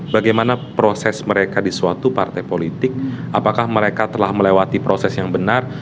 bagaimana proses mereka di suatu partai politik apakah mereka telah melewati proses yang benar